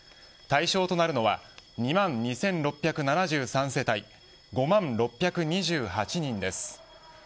対象となるのは２万２６７３世帯５万６２８人です。